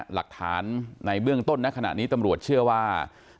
หลักฐานในเบื้องต้นณขณะนี้ตำรวจเชื่อว่า